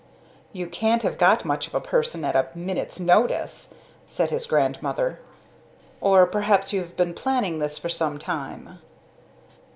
"You can't have got much of a person at a minute's notice," said his grandmother. "Or perhaps you have been planning this for some time?"